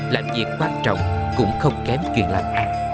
làm việc quan trọng cũng không kém chuyện lắm